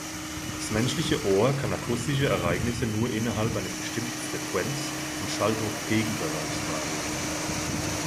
Das menschliche Ohr kann akustische Ereignisse nur innerhalb eines bestimmten Frequenz- und Schalldruckpegel-Bereichs wahrnehmen.